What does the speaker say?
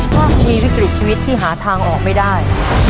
ถ้าคุณมีวิกฤตชีวิตที่หาทางออกไม่ได้